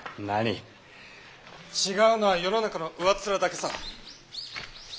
なに違うのは世の中の上っ面だけさ。